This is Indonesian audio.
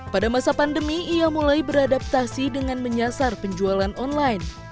pada masa pandemi ia mulai beradaptasi dengan menyasar penjualan online